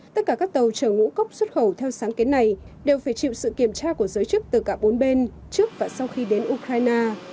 tất cả các tàu chở ngũ cốc xuất khẩu theo sáng kiến này đều phải chịu sự kiểm tra của giới chức từ cả bốn bên trước và sau khi đến ukraine